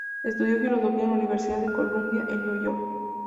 Estudió Filosofía en la Universidad de Columbia, en Nueva York.